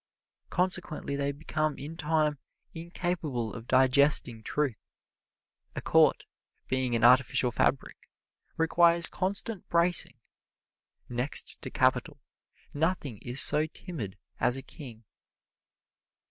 Consequently they become in time incapable of digesting truth. A court, being an artificial fabric, requires constant bracing. Next to capital, nothing is so timid as a king.